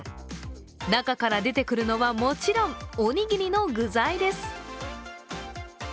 中から出てくるのはもちろんおにぎりの具材です。